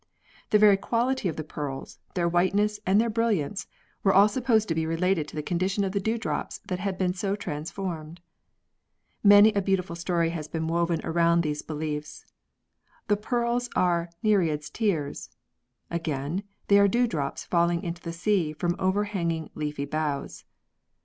The very quality of the pearls, their whiteness and their brilliance, were all sup posed to be related to the condition of the dew drops that had been so transformed. Many a beautiful story has been woven around these beliefs. The pearls are Nereids' tears again, they are dew drops falling into the sea from over hanging leafy boughs.